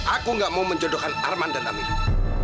aku gak mau menjodohkan arman dan amin